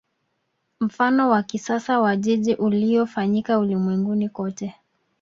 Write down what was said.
Mfano wa kisasa wa jiji uliofanyika ulimwenguni kote